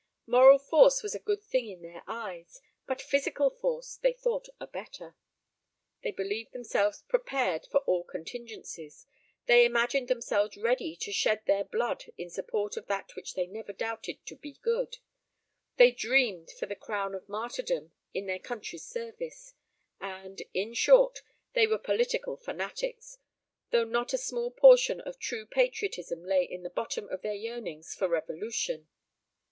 Moral force was a good thing in their eyes, but physical force they thought a better. They believed themselves prepared for all contingencies; they imagined themselves ready to shed their blood in support of that which they never doubted to be good; they dreamed of the crown of martyrdom in their country's service; and, in short, they were political fanatics, though not a small portion of true patriotism lay at the bottom of their yearnings for revolution.